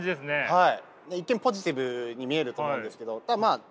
はい。